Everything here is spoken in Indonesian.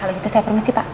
kalau gitu saya permisi pak